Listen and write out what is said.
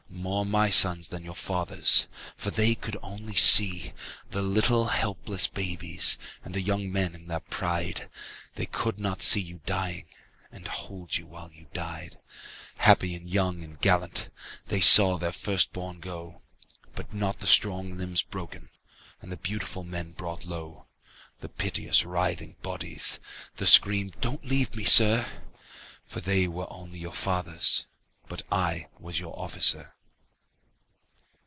More my sons than your fathers'. For they could only see The little helpless babies And the young men in their pride. They could not see you dying. And hold you while you died. Happy and young and gallant, They saw their first bom go, 41 But not the strong limbs broken And the beautiful men brought low, The piteous writhing bodies, The screamed, " Don't leave me, Sir," For they were only your fathers But I was your officer.